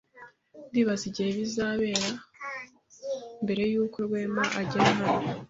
Ndibaza igihe bizabera mbere yuko Rwema agera hano.